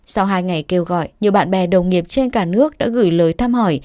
sau hai ngày kêu gọi nhiều bạn bè đồng nghiệp trên cả nước đã gửi lời thăm hỏi